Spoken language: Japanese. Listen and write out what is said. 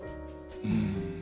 うん。